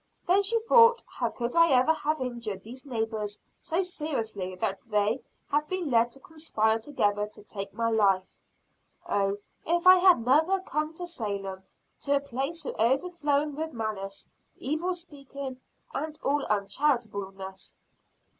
Then she thought, how could I ever have injured these neighbors so seriously that they have been led to conspire together to take my life? Oh, if I had never come to Salem, to a place so overflowing with malice, evil speaking and all uncharitableness!